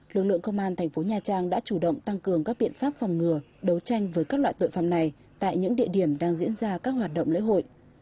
lực lượng công an thành phố nha trang đã chủ động tăng cường các biện pháp phòng ngừa đấu tranh với các loại tội phạm này tại những địa điểm đang diễn ra các hoạt động lễ hội